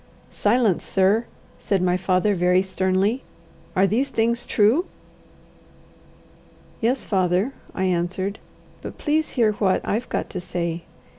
"Silence, sir!" said my father, very sternly. "Are these things true?" "Yes, father," I answered. "But please hear what I've got to say.